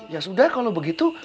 ya sudah kalau begitu